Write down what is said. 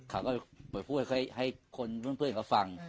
แบบไหนเขาฟัง